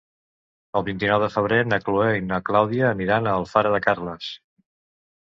El vint-i-nou de febrer na Chloé i na Clàudia aniran a Alfara de Carles.